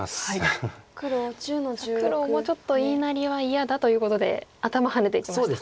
さあ黒もちょっと言いなりは嫌だということで頭ハネていきました。